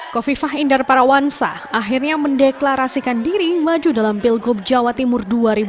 kofifah indar parawansa akhirnya mendeklarasikan diri maju dalam pilgub jawa timur dua ribu delapan belas